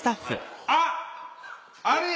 あっあれや！